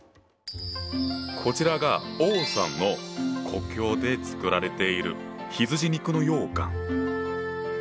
こちらが王さんの故郷で作られている羊肉の羊羹。